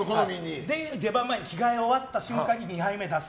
出番前に着替え終わった瞬間に２杯目出す。